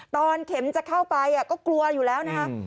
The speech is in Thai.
ตอนเข็มจะเข้าไปก็กลัวอยู่แล้วนะฮะ